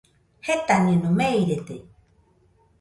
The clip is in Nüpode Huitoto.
Jetañeno, meirede.